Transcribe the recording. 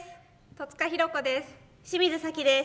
戸塚寛子です。